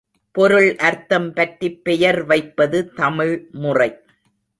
பொருள் அர்த்தம் பற்றிப் பெயர் வைப்பது தமிழ்முறை.